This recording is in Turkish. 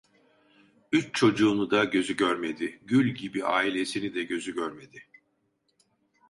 Üç çocuğunu da gözü görmedi, gül gibi ailesini de gözü görmedi.